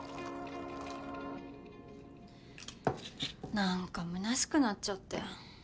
何かむなしくなっちゃって。